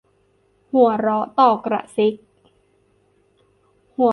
หัวเราะต่อกระซิก